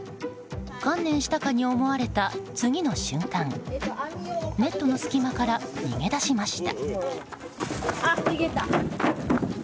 観念したかに思われた次の瞬間ネットの隙間から逃げ出しました。